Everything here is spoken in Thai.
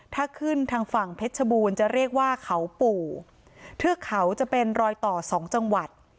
ถ้าขึ้นทางฝั่งเพชรบูรณ์จะเรียกว่าเขาปู่เทือกเขาจะเป็นรอยต่อสองจังหวัด